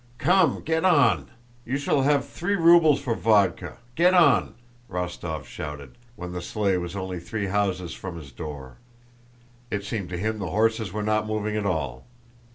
"Come, get on! You shall have three rubles for vodka—get on!" Rostóv shouted, when the sleigh was only three houses from his door. It seemed to him the horses were not moving at all.